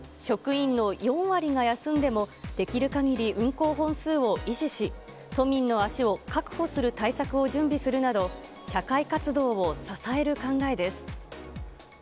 職員の４割が休んでも、できるかぎり運行本数を維持し、都民の足を確保する対策を準備するなど、社会活動を支える考えです。